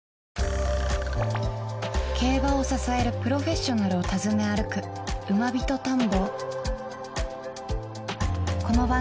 競馬を支えるプロフェッショナルを訪ね歩く皆さん